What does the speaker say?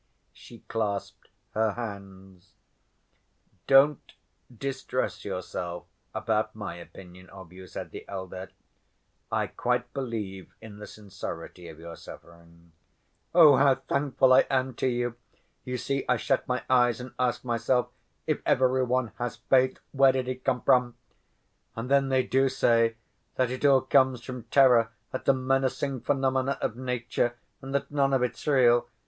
She clasped her hands. "Don't distress yourself about my opinion of you," said the elder. "I quite believe in the sincerity of your suffering." "Oh, how thankful I am to you! You see, I shut my eyes and ask myself if every one has faith, where did it come from? And then they do say that it all comes from terror at the menacing phenomena of nature, and that none of it's real.